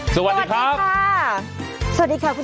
สวัสดีครับ